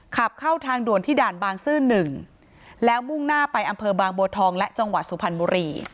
ขับเข้าทางด่วนที่ด่านบางซื่อหนึ่งแล้วมุ่งหน้าไปอำเภอบางบัวทองและจังหวัดสุพรรณบุรี